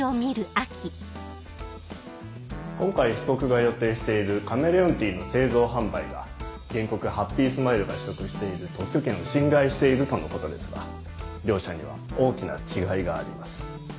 今回被告が予定しているカメレオンティーの製造販売が原告ハッピースマイルが取得している特許権を侵害しているとのことですが両者には大きな違いがあります。